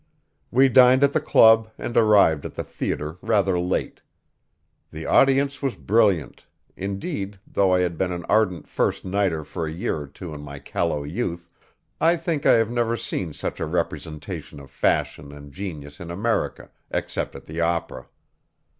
We dined at the club and arrived at the theater rather late. The audience was brilliant; indeed, though I had been an ardent first nighter for a year or two in my callow youth, I think I have never seen such a representation of fashion and genius in America, except at the opera.